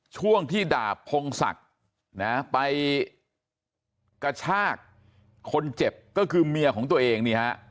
ช่วงที่ดาบพงศักดิ์นะไปกระชากคนเจ็บก็คือเมียของตัวเองนี่ฮะ